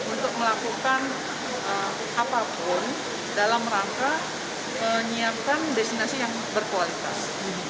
untuk melakukan apapun dalam rangka menyiapkan destinasi yang berkualitas